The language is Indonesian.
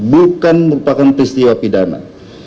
bukan merupakan peristiwa pidana